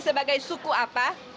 sebagai suku apa